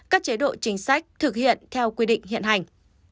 các chế độ chính sách thực hiện theo quy định hiện hành